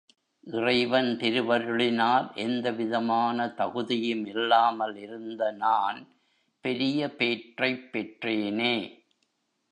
இறைவன் திருவருளினால் எந்த விதமான தகுதியும் இல்லாமல் இருந்த நான் பெரிய பேற்றைப் பெற்றேனே!